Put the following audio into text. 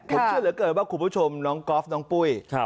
ผมเชื่อเหลือเกินว่าคุณผู้ชมน้องก๊อฟน้องปุ้ย